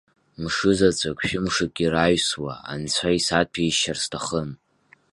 Мшы заҵәык шәымшык ираҩсуа, анцәа исаҭәеишьар сҭахын.